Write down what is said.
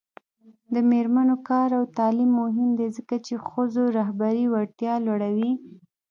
د میرمنو کار او تعلیم مهم دی ځکه چې ښځو رهبري وړتیا لوړوي.